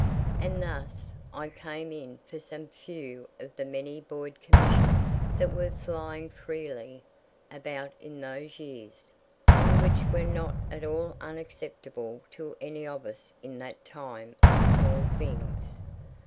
And thus I came in for some few of the many Boyd commissions that were flying freely about in those years, and which were not at all unacceptable to any of us in that time of small things.